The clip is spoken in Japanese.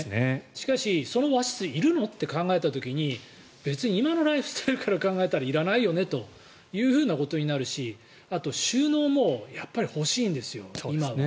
しかし、その和室いるのって考えた時に別に今のライフスタイルから考えたらいらないよねということになるしあと収納もやっぱり欲しいんですよ今は。